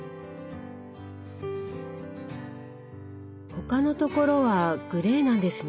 他のところはグレーなんですね。